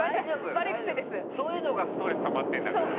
そういうのがストレスたまってるんだから。